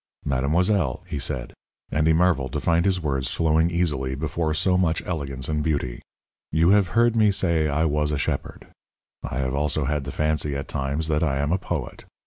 "Mademoiselle," he said, and he marvelled to find his words flowing easily before so much elegance and beauty. "You have heard me say I was a shepherd. I have also had the fancy, at times, that I am a poet.